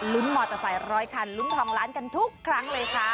ลุ้นหมดจะใส่ร้อยคันลุ้นทองร้านกันทุกครั้งเลยค่ะ